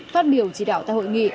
phát biểu chỉ đạo tại hội nghị